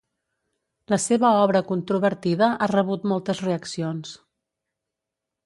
La seva obra controvertida ha rebut moltes reaccions.